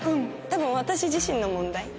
多分私自身の問題。